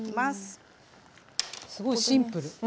すごいシンプル。